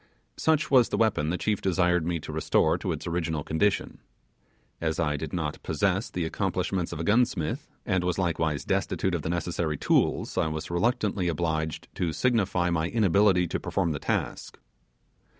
Such was the weapon the chief desired me to restore to its original condition. As I did not possess the accomplishments of a gunsmith, and was likewise destitute of the necessary tools, I was reluctantly obliged to signify my inability to perform the task.